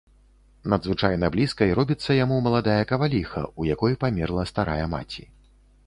Надзвычайна блізкай робіцца яму маладая каваліха, у якой памерла старая маці.